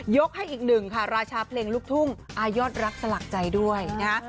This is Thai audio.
ให้อีกหนึ่งค่ะราชาเพลงลูกทุ่งอายอดรักสลักใจด้วยนะฮะ